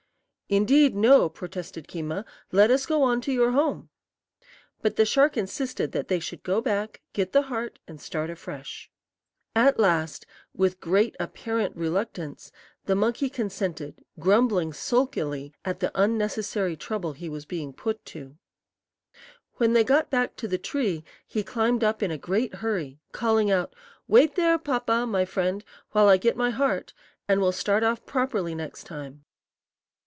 "Indeed, no," protested Keema; "let us go on to your home." But the shark insisted that they should go back, get the heart, and start afresh. At last, with great apparent reluctance, the monkey consented, grumbling sulkily at the unnecessary trouble he was being put to. When they got back to the tree, he climbed up in a great hurry, calling out, "Wait there, Papa, my friend, while I get my heart, and we'll start off properly next time."